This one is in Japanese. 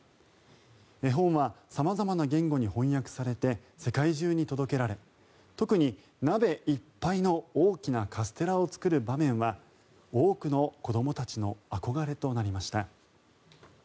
絵本は様々な言語に翻訳されて世界中に届けられ特に鍋いっぱいの大きなカステラを作る場面は多くの子どもたちの憧れとなりました。